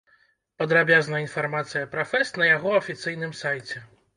Падрабязная інфармацыя пра фэст на яго афіцыйным сайце.